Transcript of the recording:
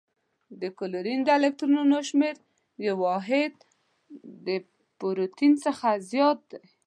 د کلورین د الکترونونو شمیر یو واحد د پروتون څخه زیات دی.